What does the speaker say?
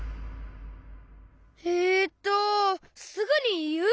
えっとすぐにいう？